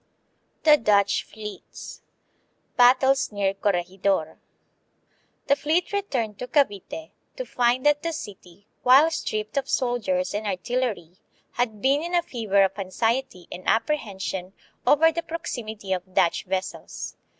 The Dutch Fleets. Battles near Corregidor. The fleet returned to Cavite to find that the city, while stripped of soldiers and artillery, had been hi a fever of anxiety and apprehension over the proximity of Dutch vessels.